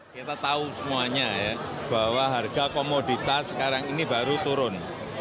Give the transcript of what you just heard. kita tahu semuanya ya bahwa harga komoditas sekarang ini baru turun